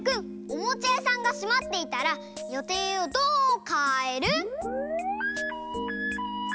おもちゃやさんがしまっていたら予定をどうかえる？